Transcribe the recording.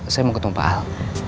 saya mau ketemu pak ahok